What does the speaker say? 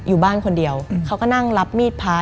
อยู่บ้านคนเดียวเขาก็นั่งรับมีดพระ